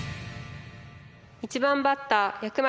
１番バッター藥丸